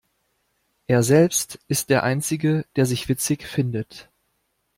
Er selbst ist der Einzige, der sich witzig findet.